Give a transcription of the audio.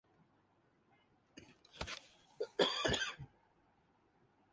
اسی سے سیاسی جماعتیں اپنی حکمت عملی کشید کریں گی۔